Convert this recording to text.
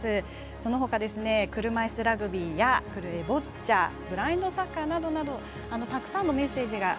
そのほか車いすラグビーやボッチャブラインドサッカーなどなどたくさんのメッセージが。